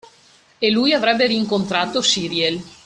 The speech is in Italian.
E lui avrebbe rincontrato Syriel.